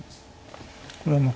これはまあ